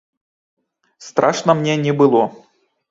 Страшна мне не было.